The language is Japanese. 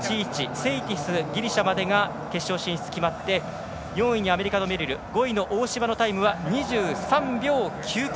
セイティス、ギリシャまでが決勝進出決まって４位にアメリカのメリル５位、大島のタイムは２３秒９９。